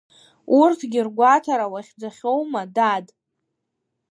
Урҭгьы ргәаҭара уахьӡахьоума, дад!